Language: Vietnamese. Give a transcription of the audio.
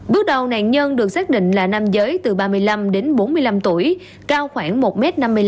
bước đầu nạn nhân được xác định là nam giới từ ba mươi năm đến bốn mươi năm tuổi cao khoảng một m năm mươi năm